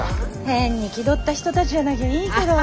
変に気取った人たちじゃなきゃいいけど。